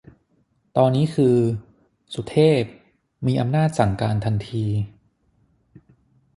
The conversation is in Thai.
ตอนนี้คือ สุเทพ มีอำนาจสั่งการทันที